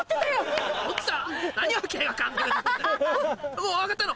もう上がったの？